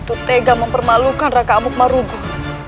itu tega mempermalukan raka amuk marugul